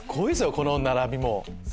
この並び。